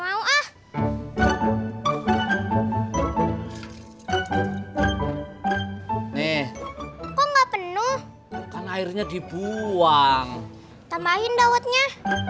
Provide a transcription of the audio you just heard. hai kok nggak penuh kan airnya dibuang tamahin dawetnya